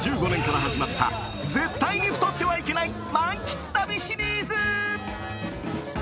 ２０１５年から始まった絶対に太ってはいけない満喫旅シリーズ。